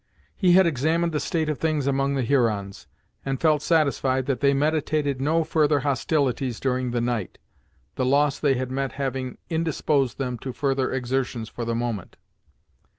He had examined the state of things among the Hurons, and felt satisfied that they meditated no further hostilities during the night, the loss they had met having indisposed them to further exertions for the moment.